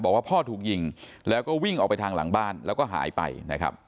บอกว่าพ่อถูกยิงแล้วก็วิ่งออกไปทางหลังบ้านแล้วก็หายไปนะครับ